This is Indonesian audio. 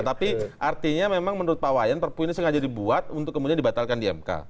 tapi artinya memang menurut pak wayan perpu ini sengaja dibuat untuk kemudian dibatalkan di mk